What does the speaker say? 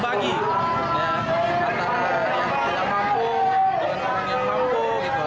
bagi antara yang tidak mampu dengan orang yang mampu